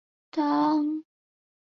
当时根本没有任何地位。